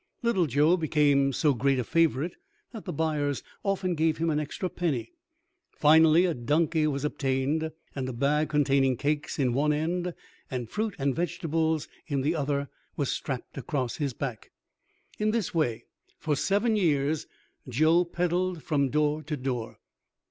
Little Joe became so great a favorite, that the buyers often gave him an extra penny. Finally a donkey was obtained; and a bag containing cakes in one end, and fruit and vegetables in the other, was strapped across his back. In this way, for seven years, Joe peddled from door to door.